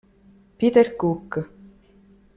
Peter Cook